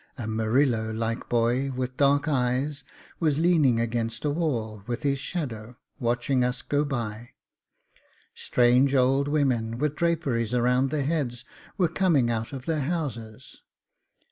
A Murillo like boy, with dark eyes, was leaning against a wall, with his shadow, watching us go by; strange old women, with draperies round their heads, were coming out of their houses.